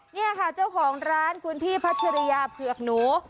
นี่ค่ะเจ้าของร้านคุณพี่พัชริยาเผือกหนู